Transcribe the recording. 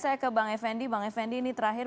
saya ke bang effendy bang effendy ini terakhir